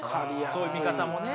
そういう見方もね。